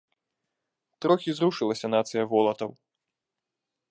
Трохі зрушылася, нацыя волатаў!